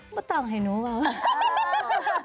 ไม่ตอบให้หนูหรอก